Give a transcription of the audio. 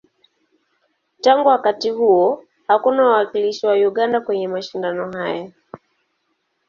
Tangu wakati huo, hakuna wawakilishi wa Uganda kwenye mashindano haya.